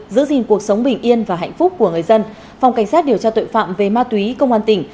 giữ gìn cuộc sống bình yên và hạnh phúc của người dân phòng cảnh sát điều tra tội phạm về ma túy công an tỉnh